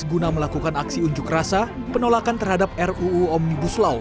guna melakukan aksi unjuk rasa penolakan terhadap ruu omnibus law